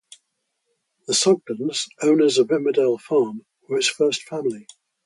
The Sugdens, owners of Emmerdale Farm, were its first family.